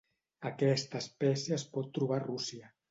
Aquesta espècie es pot trobar a Rússia.